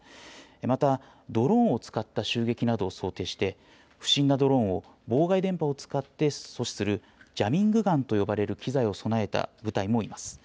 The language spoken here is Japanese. また、ドローンを使った襲撃などを想定して、不審なドローンを、妨害電波を使って阻止するジャミングガンと呼ばれる機材を備えた部隊もいます。